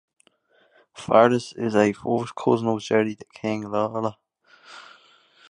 Farris is a first cousin of Jerry "The King" Lawler.